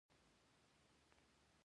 ولي په موزیلا کي یوازي کوچنۍ جملې کاروو؟